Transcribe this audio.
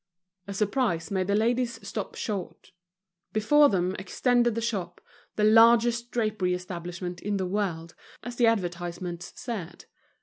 A surprise made the ladies stop short. Before them extended the shop, the largest drapery establishment in the world, as the advertisements said.